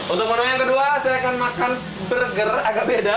untuk menu yang kedua saya akan makan burger agak beda